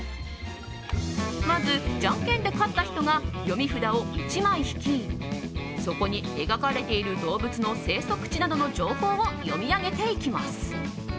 まず、じゃんけんで勝った人が読み札を１枚引きそこに描かれている動物の生息地などの情報を読み上げていきます。